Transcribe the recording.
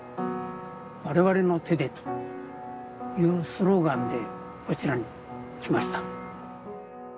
「我々の手で」というスローガンでこちらに来ました